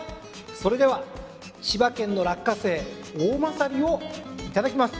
それでは千葉県のラッカセイおおまさりをいただきます。